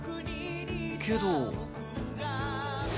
けど。